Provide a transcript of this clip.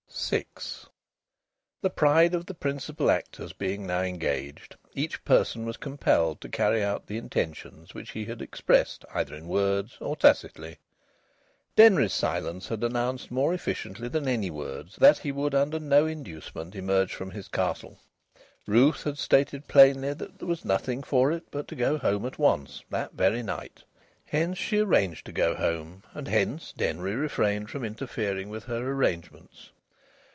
VI The pride of the principal actors being now engaged, each person was compelled to carry out the intentions which he had expressed either in words or tacitly. Denry's silence had announced more efficiently than any words that he would under no inducement emerge from his castle. Ruth had stated plainly that there was nothing for it but to go home at once, that very night. Hence she arranged to go home, and hence Denry refrained from interfering with her arrangements.